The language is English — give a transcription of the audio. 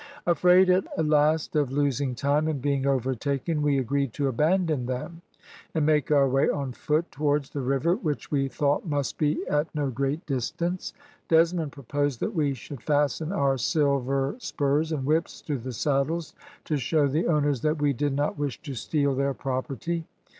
"Afraid at last of losing time, and being overtaken, we agreed to abandon them, and make our way on foot towards the river, which we thought must be at no great distance. Desmond proposed that we should fasten our silver spurs and whips to the saddles, to show the owners that we did not wish to steal their property.